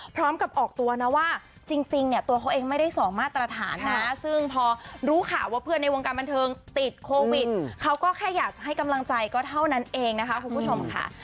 พร้อมกับออกตัวนะว่าจริงเนี่ยตัวเขาเองไม่ได้สองมาตรฐานนะซึ่งพอรู้ข่าวว่าเพื่อนในวงการบันเทิงติดโควิดเขาก็แค่อยากจะให้กำลังใจก็เท่านั้นเองนะคะคุณผู้ชมค่ะ